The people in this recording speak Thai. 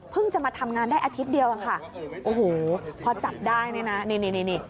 เพิ่งจะมาทำงานได้อาทิตย์เดียวอ่ะค่ะโอ้โหพอจับได้นี่น่ะนี่นี่นี่นี่